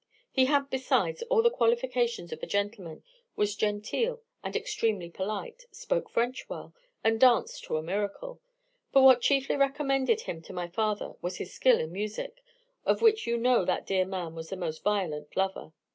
He had, besides, all the qualifications of a gentleman; was genteel and extremely polite; spoke French well, and danced to a miracle; but what chiefly recommended him to my father was his skill in music, of which you know that dear man was the most violent lover.